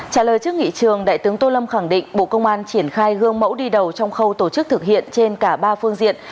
trả lời trước nghị trường đại tướng tô lâm khẳng định bộ công an triển khai gương mẫu đi đầu trong khâu tổ chức thực hiện trên cả ba phương diện